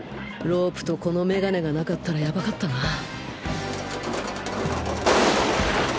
ロープとこのメガネがなかったらやばかったな